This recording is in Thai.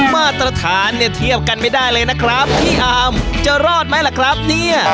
มาตรฐานเนี่ยเทียบกันไม่ได้เลยนะครับพี่อาร์มจะรอดไหมล่ะครับเนี่ย